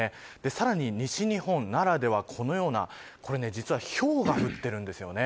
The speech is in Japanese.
さらに西日本ならではこのようなひょうが降っているんです。